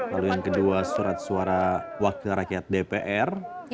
lalu yang kedua surat suara wakil rakyat dpr